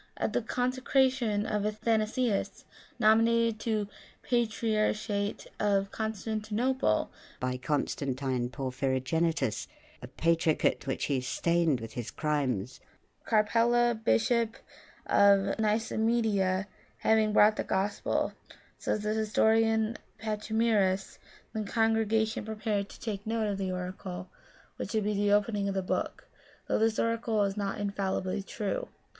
At the consecration of Athanasius, nominated to the patriarchate of Constantinople by Constantine Porphyrogenitus, a patriarchate which he stained with his crimes, "Caracalla, bishop of Nicomedia, having brought the Gospel," says the historian Pachy merus, "the congregation prepared to take note of . 258 Sortes Sacrae the oracle which would be manifest on the opening of the book, though this oracle is not infallibly true.